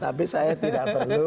tapi saya tidak perlu